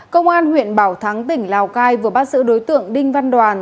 công an huyện bảo thắng tỉnh lào cai vừa bắt giữ đối tượng đinh văn đoàn